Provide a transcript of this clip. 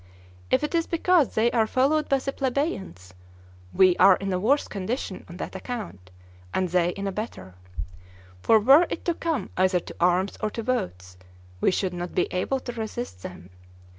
If it is because they are followed by the plebeians, we are in a worse condition on that account, and they in a better; for were it to come either to arms or to votes, we should not be able to resist them.